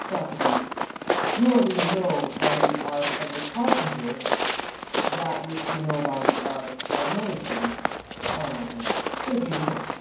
SOCRATES: Nor do we know by the art of the carpenter that which we know by the art of medicine? ION: Certainly not.